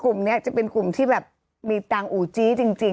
คุมนี้จะเป็นคุมที่แบบมีตังอุ๊จี้จริง